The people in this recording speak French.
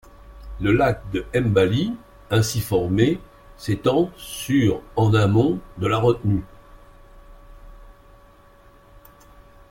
Le Lac de la Mbali, ainsi formé s'étend sur en amont de la retenue.